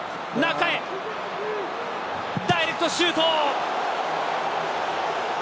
ダイレクトシュート。